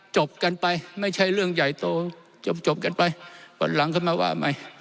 จบกันไปไม่ใช่เรื่องใหญ่โตจบกันไปวันหลังขึ้นมาว่าไหม